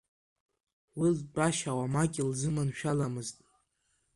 Уи лтәашьа уамак илзыманшәаламызт.